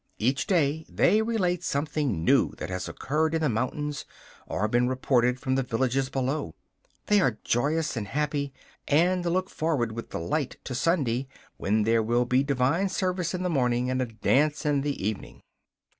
Each day they relate something new that has occurred in the mountains or been reported from the villages below. They are joyous and happy, and look forward with delight to Sunday, when there will be divine service in the morning and a dance in the evening.